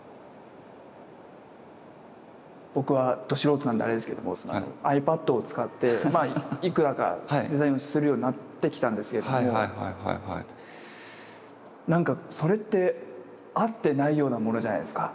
僕はど素人なんであれですけれどもｉＰａｄを使っていくらかデザインをするようになってきたんですけれどもなんかそれってあってないようなものじゃないですか。